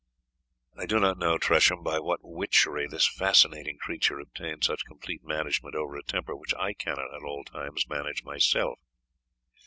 I do not know, Tresham, by what witchery this fascinating creature obtained such complete management over a temper which I cannot at all times manage myself.